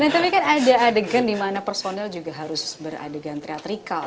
nah tapi kan ada adegan dimana personel juga harus beradegan teatrical